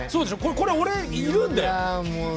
これ俺いるんだよ。